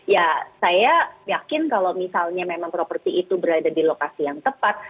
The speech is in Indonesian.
ya saya yakin kalau misalnya memang properti itu berada di lokasi yang tepat